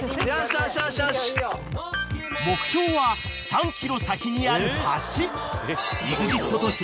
［目標は３ｋｍ先にある橋］